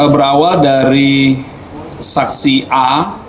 berawal dari saksi a